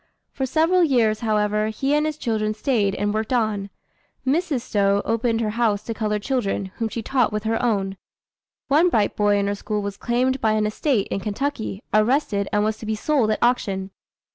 For several years, however, he and his children stayed and worked on. Mrs. Stowe opened her house to colored children, whom she taught with her own. One bright boy in her school was claimed by an estate in Kentucky, arrested, and was to be sold at auction.